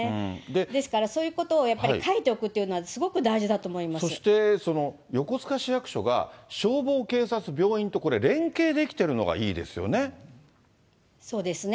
ですから、そういうことをやっぱり書いておくっていうのは、すごそして、横須賀市役所が消防、警察、病院と、これ、そうですね。